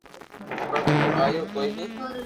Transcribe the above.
پر تو آيو ڪوئي ني